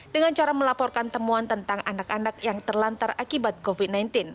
dengan cara melaporkan temuan tentang anak anak yang terlantar akibat covid sembilan belas